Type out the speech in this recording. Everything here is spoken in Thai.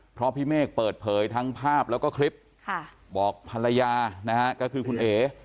เพราะพี่เมฆเปิดเผยทั้งภาพแล้วก็คลิปบอกภรรยานะฮะก็คือคุณเอ๋